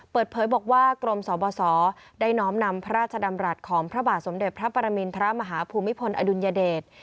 เปิดเผยบอกว่ากรมสบสได้น้อมนำพระราชดำรัฐของพระบาทสมเด็จพระปรมินทรมาฮภูมิพลอดุลยเดช